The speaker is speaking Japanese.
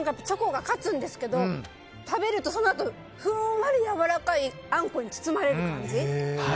チョコが勝つんですけど食べると、そのあとふんわり、やわらかいあんこに包まれる感じ。